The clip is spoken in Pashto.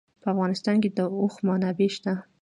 په افغانستان کې د اوښ منابع شته.